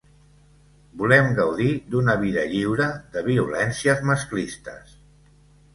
Volem gaudir d’una vida lliure de violències masclistes.